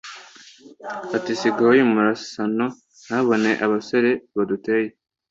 Ati: Sigaho uyu murasano nabonye abasore baduteye.